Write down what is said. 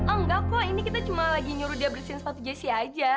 eh eh bukan enggak kok ini kita cuma lagi nyuruh dia bersihin sepatu jassie aja